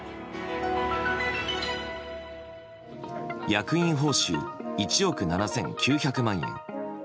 役員報酬１億７９００万円